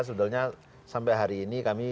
sebetulnya sampai hari ini kami